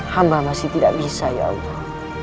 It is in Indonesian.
hama masih tidak bisa ya allah